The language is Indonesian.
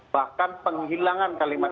bahkan penghilangan kalimat